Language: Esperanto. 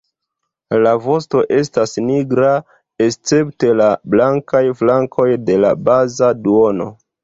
La vosto estas nigra escepte la blankaj flankoj de la baza duono.